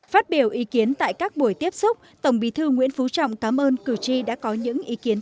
phát biểu ý kiến tại các buổi tiếp xúc tổng bí thư nguyễn phú trọng cảm ơn cử tri đã có những ý kiến